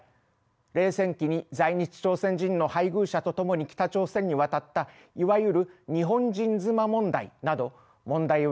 冷戦期に在日朝鮮人の配偶者と共に北朝鮮に渡ったいわゆる日本人妻問題など問題は山積状態です。